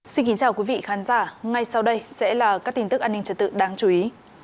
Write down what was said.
xin kính chào quý vị khán giả ngay sau đây sẽ là các tin tức an ninh trật tự đáng chú ý